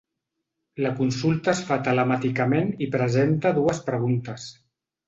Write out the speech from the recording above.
La consulta es fa telemàticament i presenta dues preguntes.